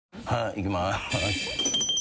いきます。